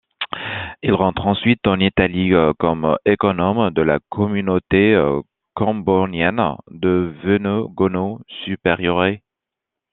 Il rentre ensuite en Italie comme économe de la communauté combonienne de Venegono Superiore.